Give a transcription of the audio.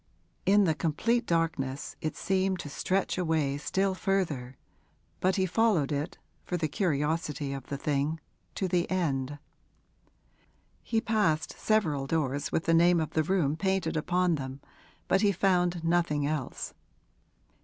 In the complete darkness it seemed to stretch away still further, but he followed it, for the curiosity of the thing, to the end. He passed several doors with the name of the room painted upon them, but he found nothing else.